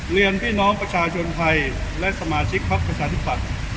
เรียนพี่น้องประชาชนไทยและสมาชิกพักประชาธิปัตย์